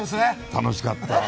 楽しかった。